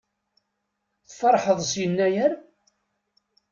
Tfeṛḥeḍ s Yennayer?